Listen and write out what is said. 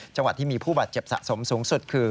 จังหวัดที่มีผู้บาดเจ็บสะสมสูงสุดคือ